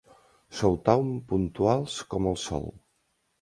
Sou tan puntuals com el sol.